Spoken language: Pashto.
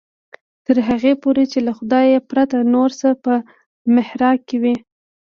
تر هغې پورې چې له خدای پرته نور څه په محراق کې وي.